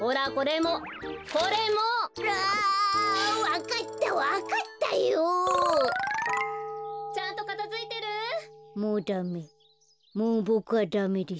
もうボクはダメです。